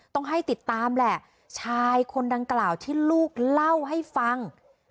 ต้องให้ติดตามแหละชายคนดังกล่าวที่ลูกเล่าให้ฟัง